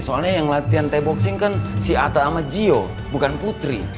soalnya yang latihan taby boxing kan si atta sama jio bukan putri